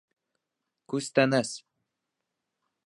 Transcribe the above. - Күстәнәс.